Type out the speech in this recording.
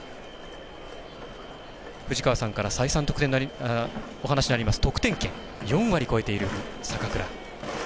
藤川さんから再三お話があります得点圏、４割超えている坂倉。